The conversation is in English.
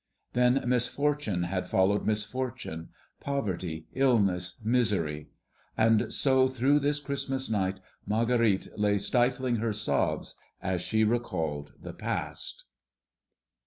Then misfortune had followed misfortune, poverty, illness, misery. And so through this Christmas night Marguerite lay stifling her sobs as she recalled the past.